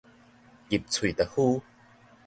入喙就烌